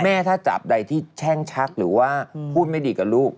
ถ้าจับใดที่แช่งชักหรือว่าพูดไม่ดีกับลูก